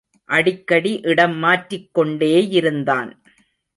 அடிக்கடி இடம் மாற்றிக்கொண்டேயிருந்தான்.